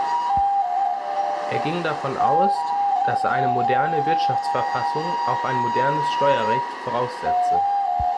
Er ging davon aus, dass eine moderne Wirtschaftsverfassung auch ein modernes Steuerrecht voraussetze.